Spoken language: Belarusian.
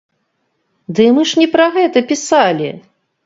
Дый мы ж не пра гэта пісалі!